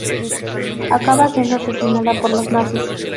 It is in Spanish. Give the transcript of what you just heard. Acaba siendo asesinada por los nazis.